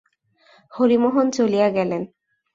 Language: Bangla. হরিমোহন চলিয়া গেলেন।